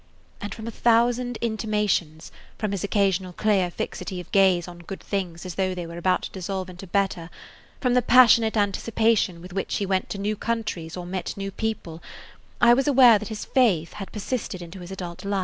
And from a thousand intimations, from his occasional clear fixity of gaze on good things as though they were about to dissolve into better, from the passionate anticipation with which he went to new countries or met new people, I was aware that this faith had persisted into his adult life.